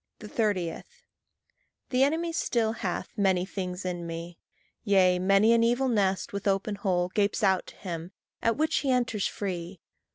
30. The enemy still hath many things in me; Yea, many an evil nest with open hole Gapes out to him, at which he enters free.